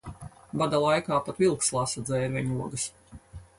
Bada laikā pat vilks lasa dzērveņu ogas.